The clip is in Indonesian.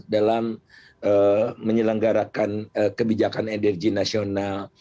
dalam menyelenggarakan kebijakan energi nasional